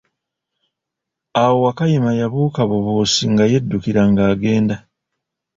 Awo Wakayima yabuuka bubuusi nga yedukira nga agenda.